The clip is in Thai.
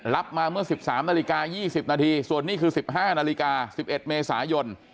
รับมาเมื่อ๑๓นาฬิกา๒๐นาทีส่วนนี้คือ๑๕นาฬิกา๑๑เมษายน